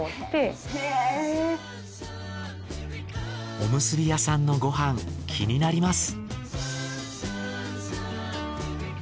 おむすび屋さんのご飯気になります。